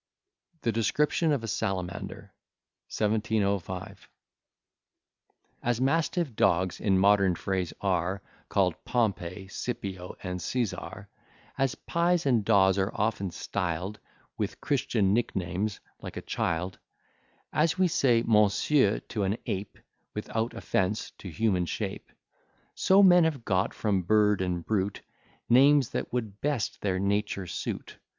THE DESCRIPTION OF A SALAMANDER, 1705 From Pliny, "Hist. Nat.," lib. x, 67; lib. xxix. As mastiff dogs, in modern phrase, are Call'd Pompey, Scipio, and Caesar; As pies and daws are often styl'd With Christian nicknames, like a child; As we say Monsieur to an ape, Without offence to human shape; So men have got, from bird and brute, Names that would best their nature suit.